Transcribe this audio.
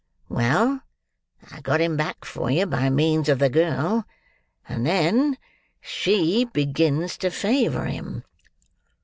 Well! I got him back for you by means of the girl; and then she begins to favour him."